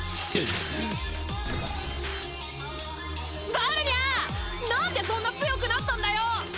バルニャーなんでそんな強くなったんだよ！